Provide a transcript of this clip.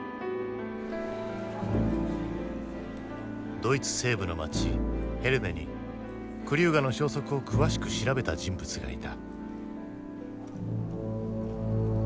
ドイツ西部の街へルネにクリューガの消息を詳しく調べた人物がいた。